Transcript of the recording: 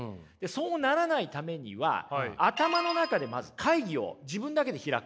そうならないためには頭の中でまず会議を自分だけで開くんです。